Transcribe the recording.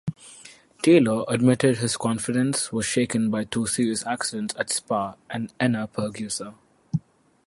Taylor admitted his confidence was shaken by two serious accidents at Spa and Enna-Pergusa.